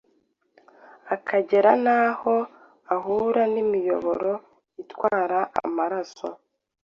akagera n’aho ahura n’imiyoboro itwara amaraso